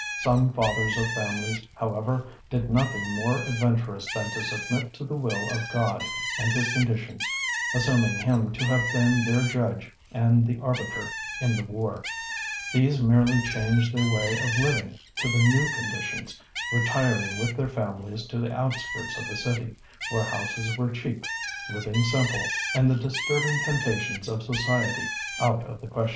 Some fathers of families, however, did nothing more ad venturous than to submit to the will of God and His conditions (assuming Him to have been their judge and the arbiter in the war) ; these merely changed their way of living to the new conditions, retiring with their families to the outskirts of the city, where houses were cheap, living simple, and the disturbing temptations of society out of the question.